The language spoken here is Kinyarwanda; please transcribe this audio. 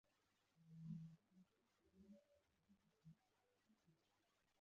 Umugabo wambaye ikoti ryera agenda munsi yikiraro kandi agaragazwa nurumuri rwumucyo